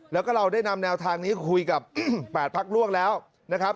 แล้วก็เราได้นำแนวทางนี้คุยกับ๘พักร่วมแล้วนะครับ